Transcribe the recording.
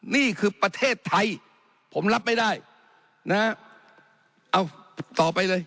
นี่คือประเทศไทยผมรับไม่ได้นะฮะเอาต่อไปเลย